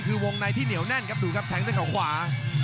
คือวงในที่เหนียวแน่นครับดูครับแทงด้วยเขาขวา